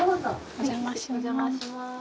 お邪魔します。